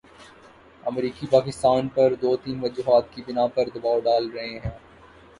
امریکی پاکستان پر دو تین وجوہات کی بنا پر دبائو ڈال رہے ہیں۔